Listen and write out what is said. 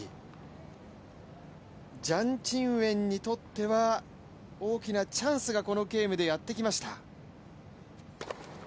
ジャン・チンウェンにとっては大きなチャンスがこのゲームでやってきました。